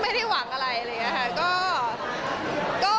ไม่ได้หวังอะไรอะไรอย่างนี้ค่ะ